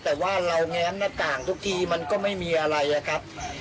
แต่ว่าเราแง้มหน้าต่างทุกทีมันก็ไม่มีอะไรนะครับ